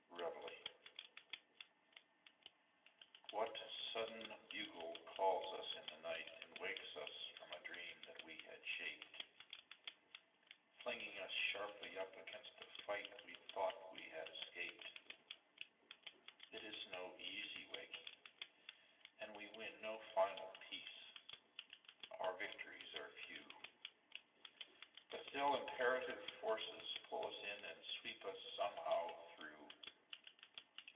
Reveillé WHAT sudden bugle calls us in the nightAnd wakes us from a dream that we had shaped; Flinging us sharply up against a fightWe thought we had escaped.It is no easy waking, and we winNo final peace; our victories are few. But still imperative forces pull us inAnd sweep us somehow through.